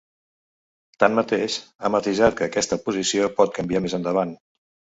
Tanmateix, ha matisat que aquesta posició pot canviar més endavant.